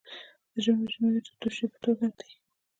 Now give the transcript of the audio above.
د ژمي وچې میوې د توشې په توګه دي.